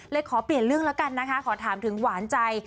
ขอเปลี่ยนเรื่องแล้วกันนะคะขอถามถึงหวานใจ